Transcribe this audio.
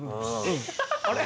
あれ？